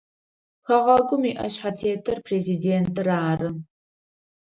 Хэгъэгум иӏэшъхьэтетыр президентыр ары.